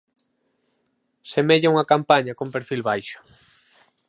Semella unha campaña con perfil baixo.